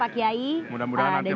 terima kasih sekali pak kiai